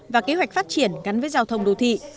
và kế hoạch phát triển gắn với giao thông đô thị